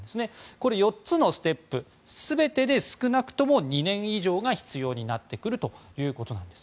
これ、４つのステップ全てで少なくとも２年以上が必要になってくるということです。